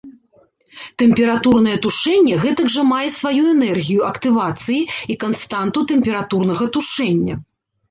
Тэмпературнае тушэнне гэтак жа мае сваю энергію актывацыі і канстанту тэмпературнага тушэння.